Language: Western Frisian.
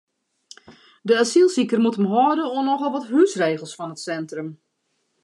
De asylsiker moat him hâlde oan nochal wat húsregels fan it sintrum.